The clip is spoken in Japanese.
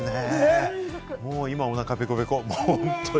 今おなかペコペコ、本当に。